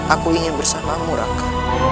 aku ingin bersama raka